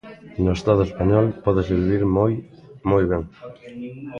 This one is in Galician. No Estado español pódese vivir moi, moi ben.